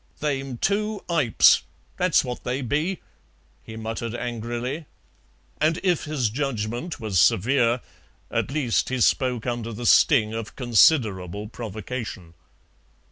"They'm two ipes, that's what they be," he muttered angrily, and if his judgment was severe, at least he spoke under the sting of considerable provocation.